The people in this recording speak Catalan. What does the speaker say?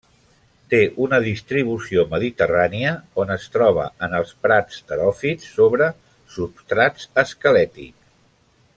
Té una distribució mediterrània, on es troba en els prats teròfits, sobre substrats esquelètics.